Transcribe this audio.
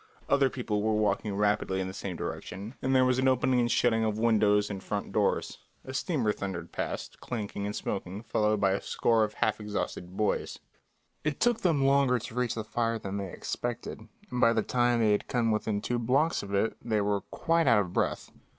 Other people were walking rapidly in the same direction, and there was an opening and shutting of windows and front doors. A steamer thundered past, clanging and smoking, followed by a score of half exhausted boys. It took them longer to reach the fire than they expected, and by the time they had come within two blocks of it they were quite out of breath.